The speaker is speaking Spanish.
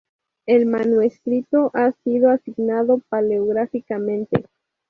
El manuscrito ha sido asignado paleográficamente.